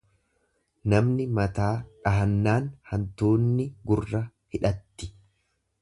Namni mataa dhahannaan hantuunni gurra hidhatti.